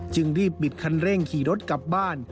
จึงรีบบิดคันเร่งขี่รถกลับบ้าน